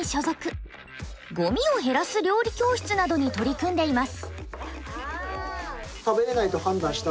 ごみを減らす料理教室などに取り組んでいます。